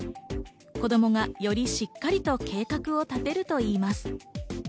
子供がよりしっかりと計画を立てるといいます。